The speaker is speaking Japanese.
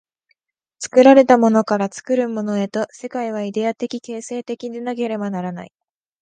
作られたものから作るものへと、世界はイデヤ的形成的でなければならない。